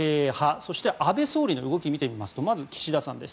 そして安倍総理の動きを見てみますとまず、岸田さんです。